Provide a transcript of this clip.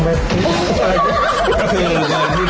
หยุดเว้น